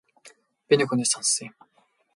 Би нэг хүнээс сонссон юм.